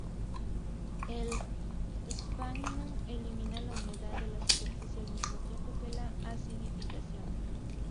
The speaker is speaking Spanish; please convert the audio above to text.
El sphagnum elimina la humedad de la superficie al mismo tiempo que la acidificación.